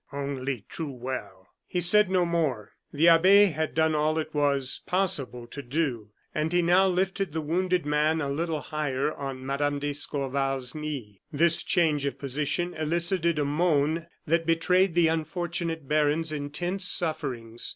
"Only too well!" He said no more. The abbe had done all it was possible to do, and he now lifted the wounded man a little higher on Mme. d'Escorval's knee. This change of position elicited a moan that betrayed the unfortunate baron's intense sufferings.